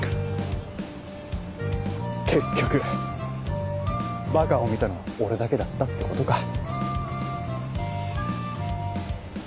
結局ばかを見たのは俺だけだったってことか。